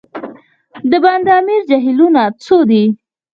د بند امیر جهیلونه څو دي؟